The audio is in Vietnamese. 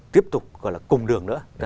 tiếp tục gọi là cùng đường nữa